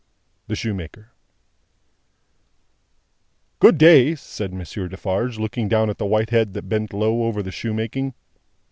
The Shoemaker "Good day!" said Monsieur Defarge, looking down at the white head that bent low over the shoemaking.